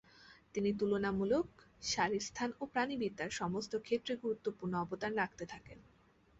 তিনি তুলনামূলক শারীরস্থান এবং প্রাণিবিদ্যার সমস্ত ক্ষেত্রে গুরুত্বপূর্ণ অবদান রাখতে থাকেন।